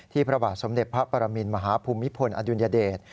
พระบาทสมเด็จพระปรมินมหาภูมิพลอดุลยเดช